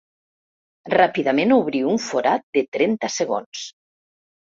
Ràpidament obrí un forat de trenta segons.